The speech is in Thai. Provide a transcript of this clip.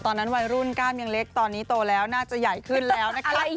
ตอนนั้นวัยรุ่นก้ามยังเล็กตอนนี้โตแล้วน่าจะใหญ่ขึ้นแล้วนะคะ